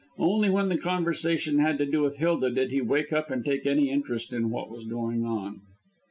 Only when the conversation had to do with Hilda did he wake up and take any interest in what was going on.